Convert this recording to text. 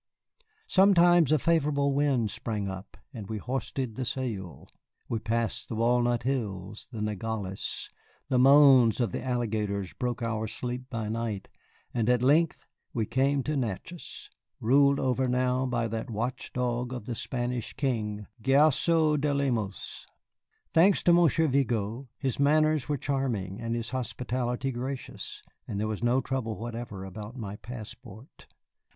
Sometimes a favorable wind sprang up, and we hoisted the sail. We passed the Walnut Hills, the Nogales, the moans of the alligators broke our sleep by night, and at length we came to Natchez, ruled over now by that watch dog of the Spanish King, Gayoso de Lemos. Thanks to Monsieur Vigo, his manners were charming and his hospitality gracious, and there was no trouble whatever about my passport.